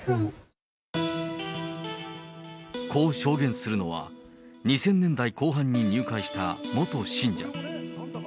こう証言するのは、２０００年代後半に入会した元信者。